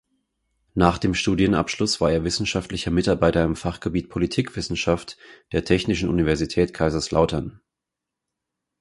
Nach dem Studienabschluss war er wissenschaftlicher Mitarbeiter im Fachgebiet Politikwissenschaft der Technischen Universität Kaiserslautern.